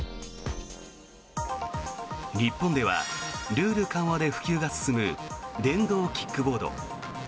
日本ではルール緩和で普及が進む電動キックボード。